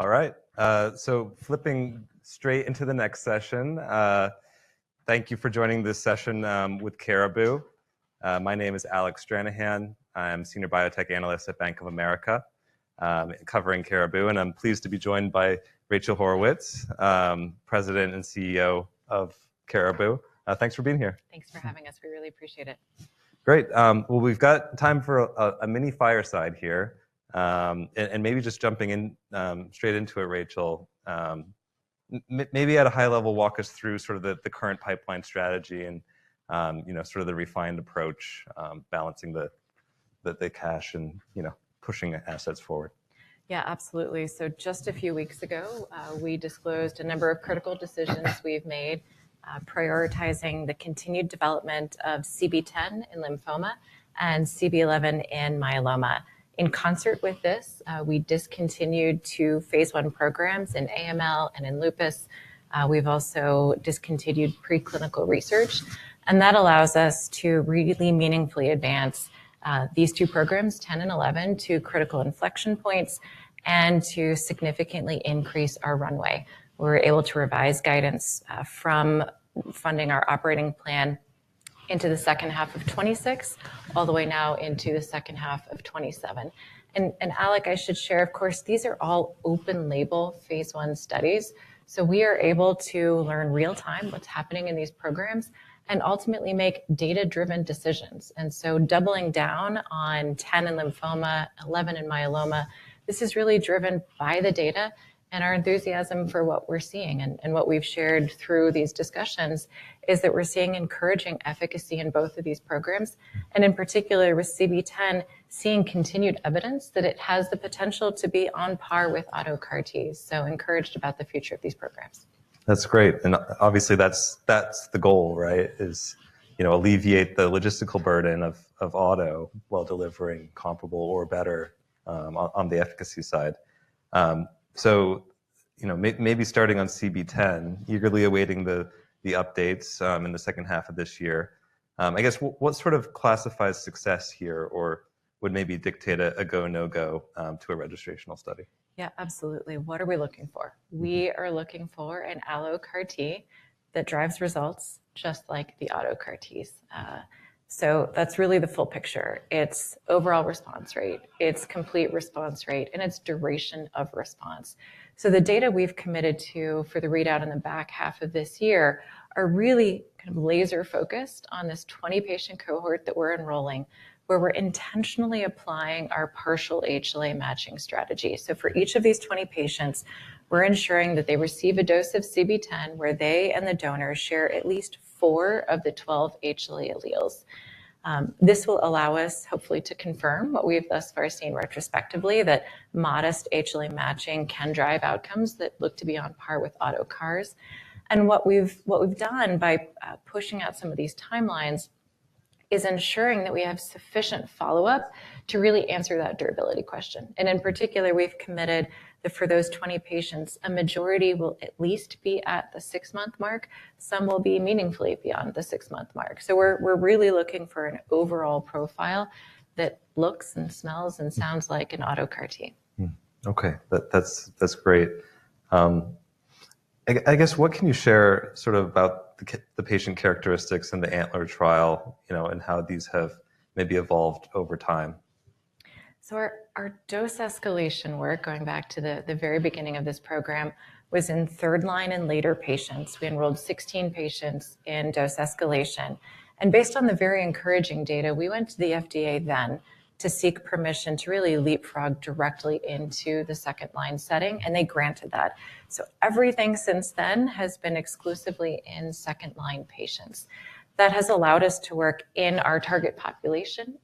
All right, so flipping straight into the next session. Thank you for joining this session with Caribou. My name is Alec Stranahan. I'm a senior biotech analyst at Bank of America covering Caribou, and I'm pleased to be joined by Rachel Haurwitz, President and CEO of Caribou. Thanks for being here. Thanks for having us. We really appreciate it. Great. We have got time for a mini fireside here. Maybe just jumping in straight into it, Rachel, maybe at a high level, walk us through sort of the current pipeline strategy and sort of the refined approach, balancing the cash and pushing assets forward. Yeah, absolutely. Just a few weeks ago, we disclosed a number of critical decisions we've made, prioritizing the continued development of CB-010 in lymphoma and CB-011 in myeloma. In concert with this, we discontinued two Phase 1 programs in AML and in lupus. We've also discontinued preclinical research. That allows us to really meaningfully advance these two programs, 10 and 11, to critical inflection points and to significantly increase our runway. We were able to revise guidance from funding our operating plan into the second half of 2026, all the way now into the second half of 2027. Alec, I should share, of course, these are all open-label Phase 1 studies. We are able to learn real time what's happening in these programs and ultimately make data-driven decisions. Doubling down on 10 in lymphoma, 11 in myeloma, this is really driven by the data. Our enthusiasm for what we're seeing and what we've shared through these discussions is that we're seeing encouraging efficacy in both of these programs. In particular, with CB-010, seeing continued evidence that it has the potential to be on par with auto CAR-Ts. Encouraged about the future of these programs. That's great. Obviously, that's the goal, right, is alleviate the logistical burden of auto while delivering comparable or better on the efficacy side. Maybe starting on CB-010, eagerly awaiting the updates in the second half of this year. I guess, what sort of classifies success here or would maybe dictate a go, no go to a registrational study? Yeah, absolutely. What are we looking for? We are looking for an allo CAR-T that drives results just like the auto CAR-Ts. That's really the full picture. It's overall response rate. It's complete response rate. It's duration of response. The data we've committed to for the readout in the back half of this year are really kind of laser-focused on this 20-patient cohort that we're enrolling, where we're intentionally applying our partial HLA matching strategy. For each of these 20 patients, we're ensuring that they receive a dose of CB-010 where they and the donor share at least four of the 12 HLA alleles. This will allow us, hopefully, to confirm what we have thus far seen retrospectively, that modest HLA matching can drive outcomes that look to be on par with auto CARs. What we have done by pushing out some of these timelines is ensuring that we have sufficient follow-up to really answer that durability question. In particular, we have committed that for those 20 patients, a majority will at least be at the six-month mark. Some will be meaningfully beyond the six-month mark. We are really looking for an overall profile that looks and smells and sounds like an auto CAR-T. OK, that's great. I guess, what can you share sort of about the patient characteristics and the ANTLER trial and how these have maybe evolved over time? Our dose escalation work, going back to the very beginning of this program, was in third line and later patients. We enrolled 16 patients in dose escalation. Based on the very encouraging data, we went to the FDA then to seek permission to really leapfrog directly into the second line setting. They granted that. Everything since then has been exclusively in second line patients. That has allowed us to work in our target population.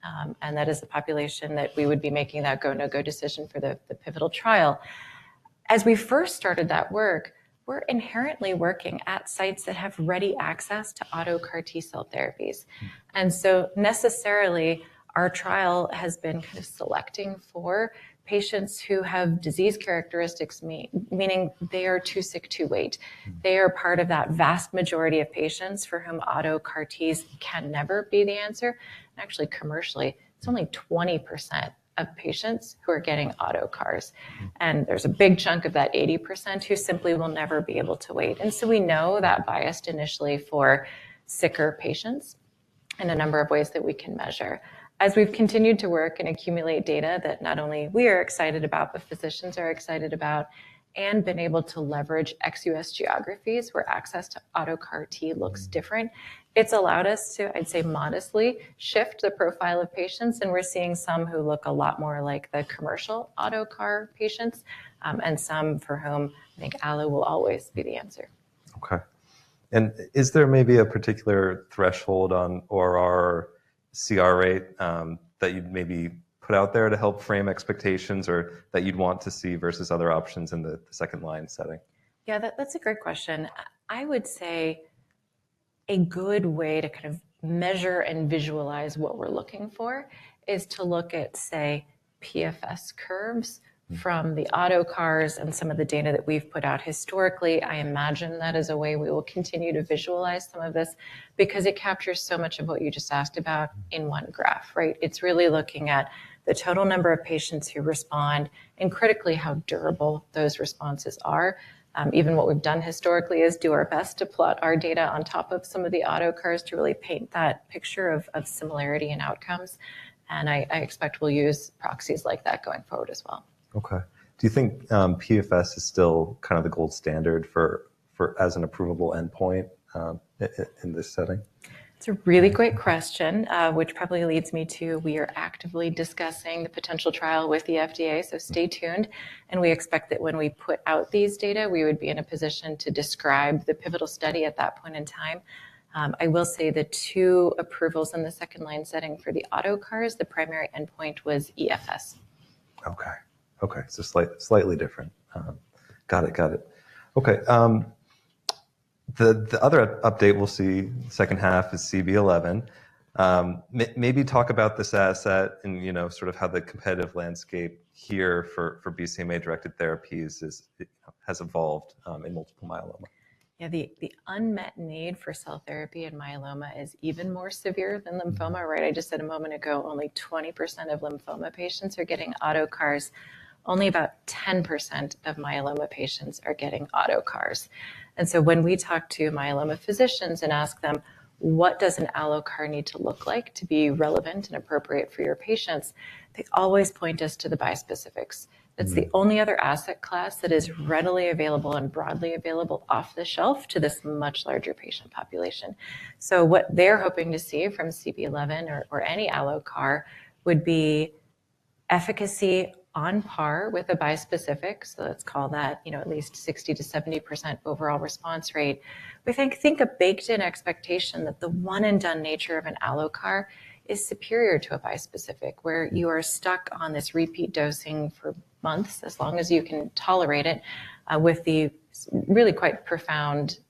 That is the population that we would be making that go, no go decision for the pivotal trial. As we first started that work, we're inherently working at sites that have ready access to auto CAR-T cell therapies. Necessarily, our trial has been kind of selecting for patients who have disease characteristics, meaning they are too sick to wait. They are part of that vast majority of patients for whom auto CAR-Ts can never be the answer. Actually, commercially, it's only 20% of patients who are getting auto CARs. There's a big chunk of that 80% who simply will never be able to wait. We know that biased initially for sicker patients in a number of ways that we can measure. As we've continued to work and accumulate data that not only we are excited about, but physicians are excited about, and been able to leverage XUS geographies where access to auto CAR-T looks different, it's allowed us to, I'd say, modestly shift the profile of patients. We're seeing some who look a lot more like the commercial auto CAR patients and some for whom I think allo will always be the answer. OK. Is there maybe a particular threshold on ORR CR rate that you'd maybe put out there to help frame expectations or that you'd want to see versus other options in the second line setting? Yeah, that's a great question. I would say a good way to kind of measure and visualize what we're looking for is to look at, say, PFS curves from the auto CARs and some of the data that we've put out historically. I imagine that is a way we will continue to visualize some of this because it captures so much of what you just asked about in one graph, right? It's really looking at the total number of patients who respond and critically how durable those responses are. Even what we've done historically is do our best to plot our data on top of some of the auto CARs to really paint that picture of similarity and outcomes. I expect we'll use proxies like that going forward as well. OK. Do you think PFS is still kind of the gold standard as an approval endpoint in this setting? It's a really great question, which probably leads me to we are actively discussing the potential trial with the FDA. Stay tuned. We expect that when we put out these data, we would be in a position to describe the pivotal study at that point in time. I will say the two approvals in the second line setting for the auto CARs, the primary endpoint was EFS. OK, OK, so slightly different. Got it, got it. OK, the other update we'll see second half is CB-011. Maybe talk about this asset and sort of how the competitive landscape here for BCMA-directed therapies has evolved in multiple myeloma. Yeah, the unmet need for cell therapy in myeloma is even more severe than lymphoma, right? I just said a moment ago, only 20% of lymphoma patients are getting auto CARs. Only about 10% of myeloma patients are getting auto CARs. When we talk to myeloma physicians and ask them, what does an allo CAR need to look like to be relevant and appropriate for your patients, they always point us to the bispecifics. That is the only other asset class that is readily available and broadly available off the shelf to this much larger patient population. What they are hoping to see from CB-011 or any allo CAR would be efficacy on par with a bispecific. Let's call that at least 60%-70% overall response rate. We think a baked-in expectation that the one-and-done nature of an allo CAR is superior to a bispecific, where you are stuck on this repeat dosing for months as long as you can tolerate it with the really quite profound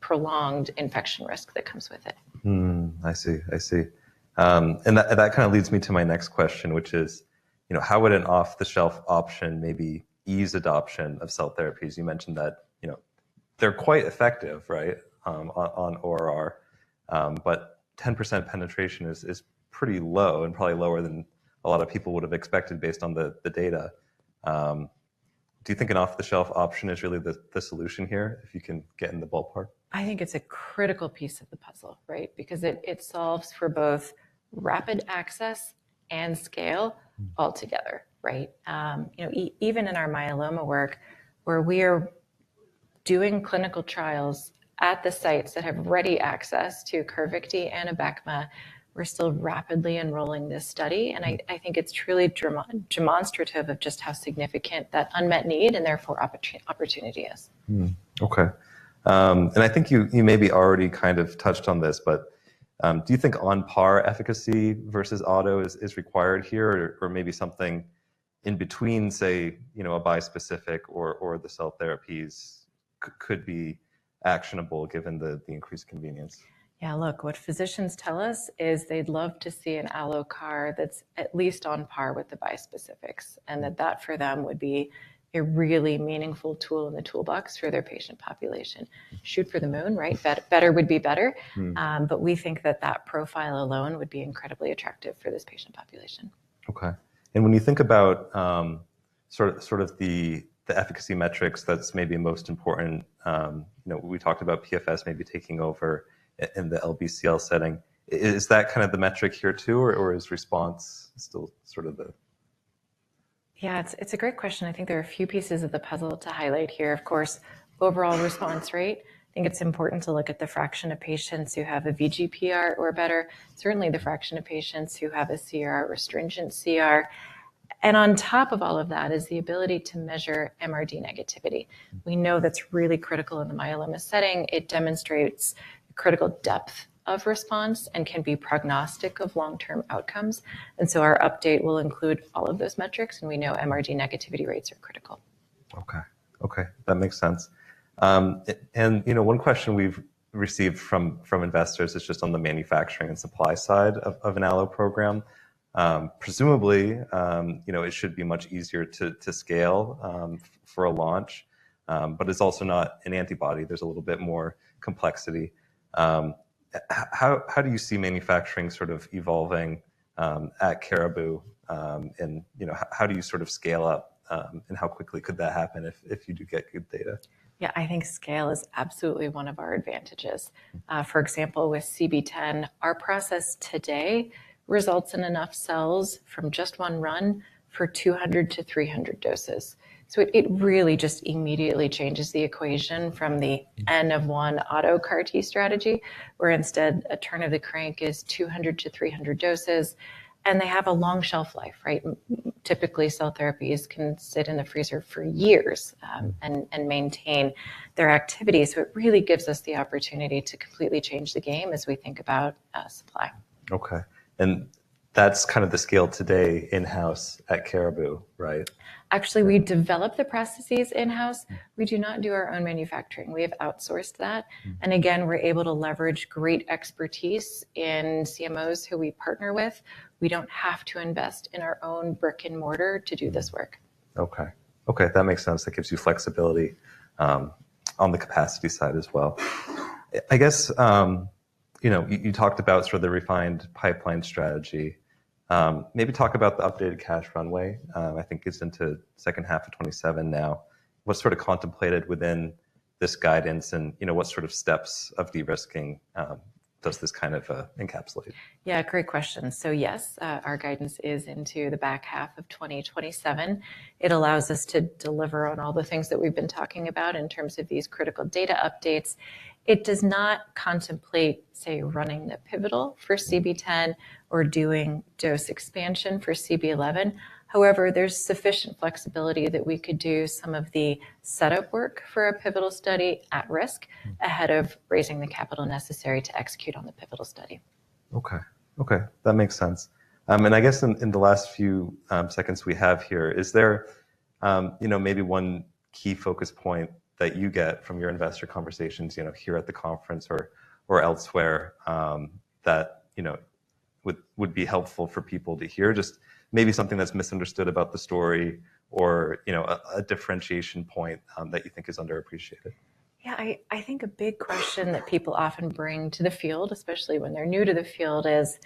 prolonged infection risk that comes with it. I see, I see. That kind of leads me to my next question, which is, how would an off-the-shelf option maybe ease adoption of cell therapies? You mentioned that they're quite effective, right, on ORR, but 10% penetration is pretty low and probably lower than a lot of people would have expected based on the data. Do you think an off-the-shelf option is really the solution here if you can get in the ballpark? I think it's a critical piece of the puzzle, right, because it solves for both rapid access and scale altogether, right? Even in our myeloma work, where we are doing clinical trials at the sites that have ready access to CAR-T and ABECMA, we're still rapidly enrolling this study. I think it's truly demonstrative of just how significant that unmet need and therefore opportunity is. OK. I think you maybe already kind of touched on this, but do you think on par efficacy versus auto is required here, or maybe something in between, say, a bispecific or the cell therapies could be actionable given the increased convenience? Yeah, look, what physicians tell us is they'd love to see an allo CAR that's at least on par with the bispecifics and that that for them would be a really meaningful tool in the toolbox for their patient population. Shoot for the moon, right? Better would be better. We think that that profile alone would be incredibly attractive for this patient population. OK. When you think about sort of the efficacy metrics that's maybe most important, we talked about PFS maybe taking over in the LBCL setting. Is that kind of the metric here too, or is response still sort of the? Yeah, it's a great question. I think there are a few pieces of the puzzle to highlight here. Of course, overall response rate. I think it's important to look at the fraction of patients who have a VGPR or better, certainly the fraction of patients who have a CR, restringent CR. On top of all of that is the ability to measure MRD negativity. We know that's really critical in the myeloma setting. It demonstrates critical depth of response and can be prognostic of long-term outcomes. Our update will include all of those metrics. We know MRD negativity rates are critical. OK, OK, that makes sense. One question we've received from investors is just on the manufacturing and supply side of an allo program. Presumably, it should be much easier to scale for a launch. It is also not an antibody. There is a little bit more complexity. How do you see manufacturing sort of evolving at Caribou? How do you sort of scale up? How quickly could that happen if you do get good data? Yeah, I think scale is absolutely one of our advantages. For example, with CB-010, our process today results in enough cells from just one run for 200-300 doses. It really just immediately changes the equation from the end of one auto CAR-T strategy, where instead a turn of the crank is 200-300 doses. They have a long shelf life, right? Typically, cell therapies can sit in the freezer for years and maintain their activity. It really gives us the opportunity to completely change the game as we think about supply. OK. And that's kind of the scale today in-house at Caribou, right? Actually, we develop the processes in-house. We do not do our own manufacturing. We have outsourced that. Again, we're able to leverage great expertise in CMOs who we partner with. We don't have to invest in our own brick and mortar to do this work. OK, OK, that makes sense. That gives you flexibility on the capacity side as well. I guess you talked about sort of the refined pipeline strategy. Maybe talk about the updated cash runway. I think it's into second half of 2027 now. What's sort of contemplated within this guidance? What sort of steps of de-risking does this kind of encapsulate? Yeah, great question. Yes, our guidance is into the back half of 2027. It allows us to deliver on all the things that we've been talking about in terms of these critical data updates. It does not contemplate, say, running the pivotal for CB-010 or doing dose expansion for CB-011. However, there's sufficient flexibility that we could do some of the setup work for a pivotal study at risk ahead of raising the capital necessary to execute on the pivotal study. OK, OK, that makes sense. I guess in the last few seconds we have here, is there maybe one key focus point that you get from your investor conversations here at the conference or elsewhere that would be helpful for people to hear? Just maybe something that's misunderstood about the story or a differentiation point that you think is underappreciated? Yeah, I think a big question that people often bring to the field, especially when they're new to the field, is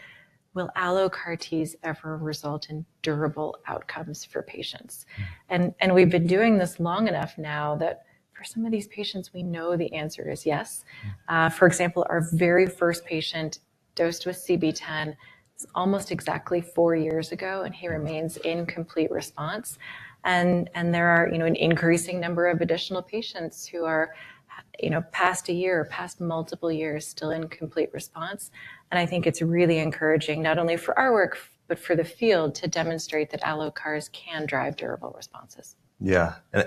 will allo CAR-Ts ever result in durable outcomes for patients? We've been doing this long enough now that for some of these patients, we know the answer is yes. For example, our very first patient dosed with CB-010 was almost exactly four years ago. He remains in complete response. There are an increasing number of additional patients who are past a year, past multiple years, still in complete response. I think it's really encouraging not only for our work, but for the field to demonstrate that allo CARs can drive durable responses. Yeah, and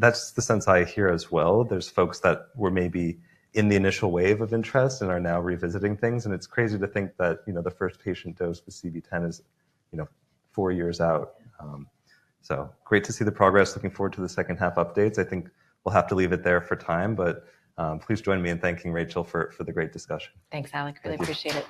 that's the sense I hear as well. There's folks that were maybe in the initial wave of interest and are now revisiting things. It's crazy to think that the first patient dose with CB-010 is four years out. Great to see the progress. Looking forward to the second half updates. I think we'll have to leave it there for time. Please join me in thanking Rachel for the great discussion. Thanks, Alec. Really appreciate it.